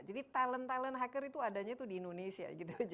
jadi talent talent hacker itu adanya di indonesia